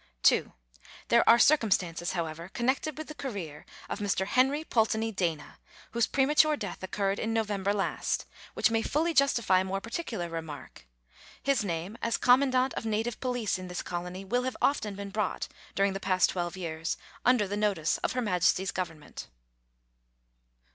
2. There are circumstances, however, connected with the career of Mr. Henry Pulteney Dana, whose premature death occurred in November last, which may fully justify more particular remark. His name as Commandant of Native Police in this colony will have often been brought, during the past twelve years, under the notice of Her Majesty's Government.